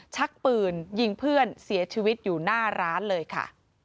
ชักปืนยิงเพื่อนเสียชีวิตอยู่หน้าร้านเลยค่ะ